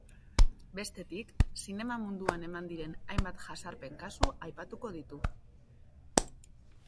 Bestetik, zinema munduan eman diren hainbat jazarpen kasu aipatuko ditu.